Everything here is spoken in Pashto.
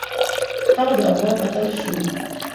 هغه د افغان اتل شو